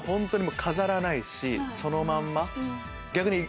そのまんま。